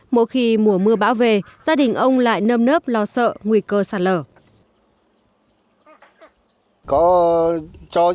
mỗi khi mùa mưa bão về gia đình ông lại nâm nớp lo sợ nguy cơ sạt lở